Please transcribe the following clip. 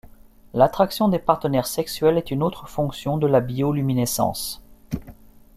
L'attraction des partenaires sexuels est une autre fonction de la bioluminescence.